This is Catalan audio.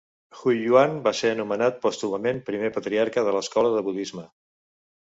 Huiyuan va ser nomenat pòstumament primer Patriarca de l'escola de budisme.